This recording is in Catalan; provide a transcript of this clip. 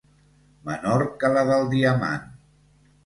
Menor que la del diamant.